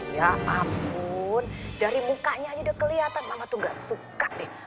ya ampun dari mukanya aja udah kelihatan mama tuh gak suka deh